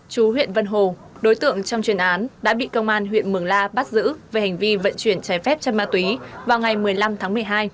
chú huyện vân hồ đối tượng trong chuyên án đã bị công an huyện mường la bắt giữ về hành vi vận chuyển trái phép chân ma túy vào ngày một mươi năm tháng một mươi hai